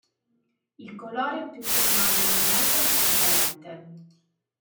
Il colore è più che mai luminoso e trasparente.